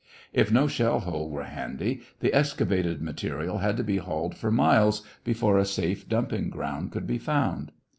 If no shell hole were handy, the excavated material had to be hauled for miles before a safe dumping ground could be found.